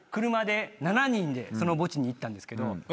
車で７人でその墓地に行ったんですけど。